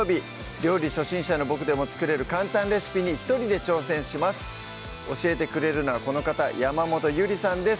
料理初心者のボクでも作れる簡単レシピに一人で挑戦します教えてくれるのはこの方山本ゆりさんです